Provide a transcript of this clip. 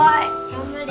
頑張れ。